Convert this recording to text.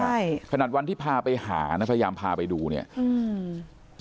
ใช่ขนาดวันที่พาไปหานะพยายามพาไปดูเนี้ยอืม